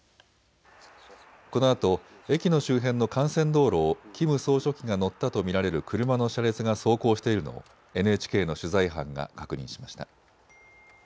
このあと駅の周辺の幹線道路をキム総書記が乗ったと見られる車の車列が走行しているのをＮＨＫの取材班が確認しました。